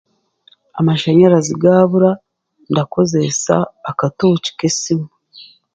Amashanyarazi gaabura, ndakozeesa akatooki k'esimu.